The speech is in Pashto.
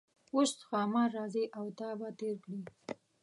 اوس ښامار راځي او تا به تیر کړي.